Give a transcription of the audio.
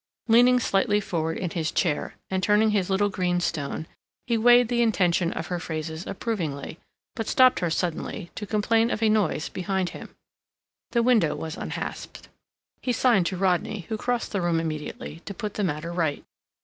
Leaning slightly forward in his chair, and turning his little green stone, he weighed the intention of her phrases approvingly, but stopped her suddenly to complain of a noise behind him. The window was unhasped. He signed to Rodney, who crossed the room immediately to put the matter right.